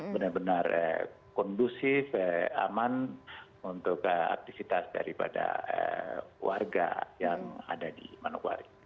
benar benar kondusif aman untuk aktivitas daripada warga yang ada di manokwari